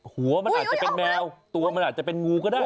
หัวมันอาจจะเป็นแมวตัวมันอาจจะเป็นงูก็ได้